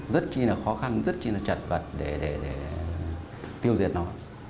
rất chi là khó khăn rất chi là chật vật để tiêu diệt nó